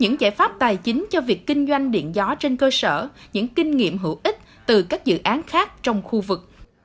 những giải pháp tài chính cho việc kinh doanh điện gió trên cơ sở những kinh nghiệm hữu ích từ các dự án khác trong khu vực